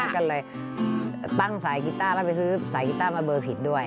ก็เลยตั้งสีกิตาร์แล้วไปซื้อสีกิตาร์มาเบอร์ผิดด้วย